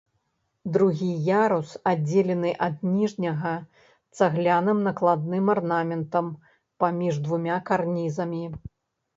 Другі ярус аддзелены ад ніжняга цагляным накладным арнаментам паміж двума карнізамі.